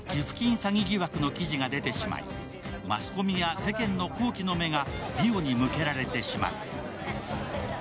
詐欺疑惑の記事が出てしまいマスコミや世間の好奇の目が梨央に向けられてしまう。